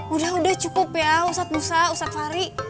udah udah cukup ya ustaz musa ustaz fahri